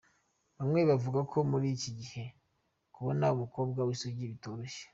Bamwe bavuga ko muri iki gihe kubona umukobwa w’isugi bitoroshye.